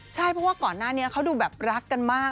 ใช่เพราะว่าก่อนหน้านี้เขาดูแบบรักกันมาก